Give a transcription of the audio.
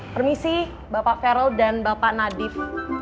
permisi bapak ferel dan bapak nadief